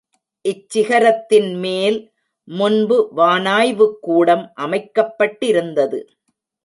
இச் சிகரத்தின் மேல், முன்பு வானாய்வுக்கூடம் அமைக்கப்பட்டிருந்தது.